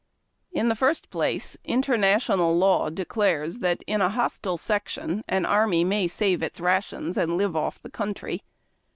In the first place, interna tional law declares that in a hostile section an army may save its rations and live off the country.